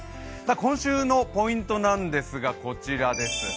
今週のポイントなんですがこちらです。